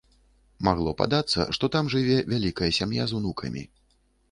Магло падацца, што там жыве вялікая сям'я з унукамі.